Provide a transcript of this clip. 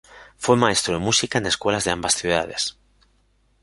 Fue maestro de música en escuelas de ambas ciudades.